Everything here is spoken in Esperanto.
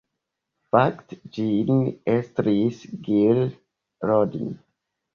Fakte ĝin estris Gil Rodin.